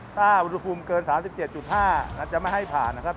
ถ้าอุณหภูมิเกิน๓๗๕อาจจะไม่ให้ผ่านนะครับ